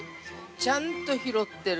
ちゃんと拾ってる。